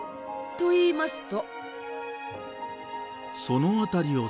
といいますと。